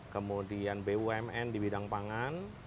kemudian bumn di bidang pangan